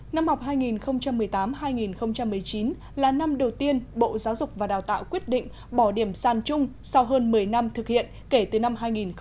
năm học hai nghìn một mươi tám hai nghìn một mươi chín là năm đầu tiên bộ giáo dục và đào tạo quyết định bỏ điểm sàn chung sau hơn một mươi năm thực hiện kể từ năm hai nghìn một mươi